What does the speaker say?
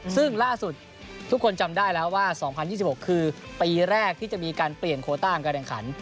ซึ่งล่าสุดทุกคนจำได้แล้วว่า๒๐๒๖คือปีแรกที่จะมีการเปลี่ยนโคต้าของการแข่งขัน